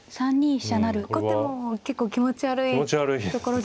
後手も結構気持ち悪いところですよね。